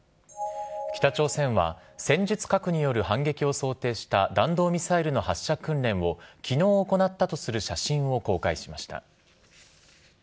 北朝鮮は戦術核による反撃を想定した弾道ミサイルの発射訓練をきのう行ったとする写真を公開しました。